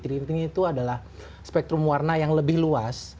yang penting adalah spektrum warna itu lebih luas